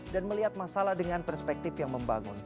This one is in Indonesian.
dan melihat masalah dengan perspektif yang membangun